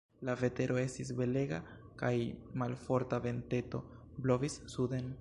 La vetero estis belega kaj malforta venteto blovis suden.